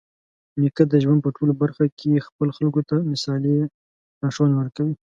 نیکه د ژوند په ټولو برخه کې خپلو خلکو ته مثالي لارښوونې ورکوي.